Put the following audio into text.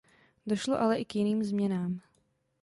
Došlo ale i k jiným změnám.